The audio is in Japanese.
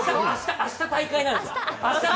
明日、大会なんですよ